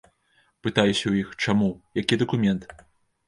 Пытаюся ў іх, чаму, які дакумент?